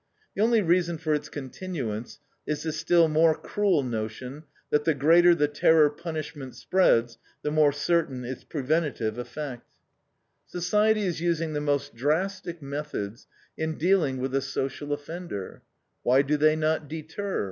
The only reason for its continuance is the still more cruel notion that the greater the terror punishment spreads, the more certain its preventative effect. Society is using the most drastic methods in dealing with the social offender. Why do they not deter?